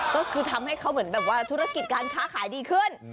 ก็คือทำให้เขาเหมือนแบบว่าธุรกิจการค้าขายดีขึ้น